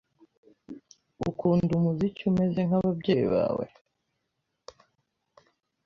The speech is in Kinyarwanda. Ukunda umuziki umeze nkababyeyi bawe?